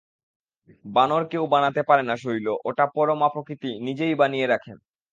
বানর কেউ বানাতে পারে না শৈল, ওটা পরমা প্রকৃতি নিজেই বানিয়ে রাখেন।